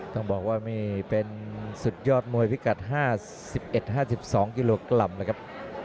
ต้องบอกว่านี่เป็นสุดยอดมวยพิกัด๕๑๕๒กิโลกรัมนะครับ